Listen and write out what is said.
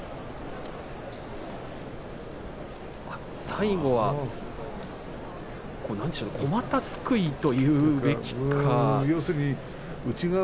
最後はこまたすくいというべきか。